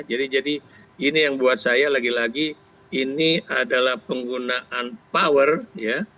jadi jadi ini yang buat saya lagi lagi ini adalah penggunaan power ya